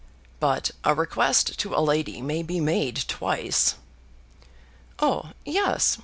"But a request to a lady may be made twice." "Oh, yes.